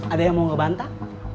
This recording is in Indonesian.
ada yang mau ngebantah